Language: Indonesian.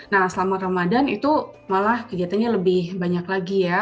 nah selama ramadan itu malah kegiatannya lebih banyak lagi ya